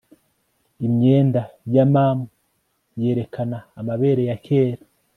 imyenda ya mummy yerekana amabere ya kera